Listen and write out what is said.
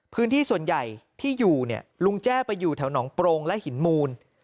พื้นที่ส่วนใหญ่ที่อยู่เนี่ยลุงแจ้ไปอยู่แถวหนองโปรงและหินมูล